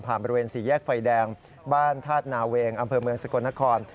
บริเวณสี่แยกไฟแดงบ้านธาตุนาเวงอำเภอเมืองสกลนคร